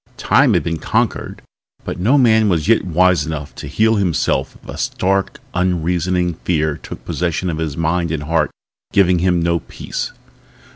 Time had been conquered but no man was yet wise enough to heal himself if a stark, unreasoning fear took possession of his mind and heart, giving him no peace.